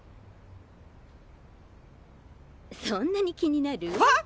そんなに気になる？はっ！？